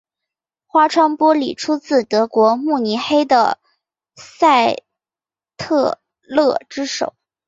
花窗玻璃出自德国慕尼黑的赛特勒之手。